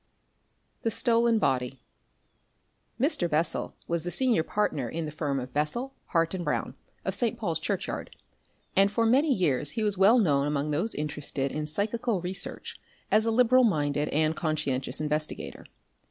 THE STOLEN BODY Mr. Bessel was the senior partner in the firm of Bessel, Hart, and Brown, of St. Paul's Churchyard, and for many years he was well known among those interested in psychical research as a liberal minded and conscientious investigator.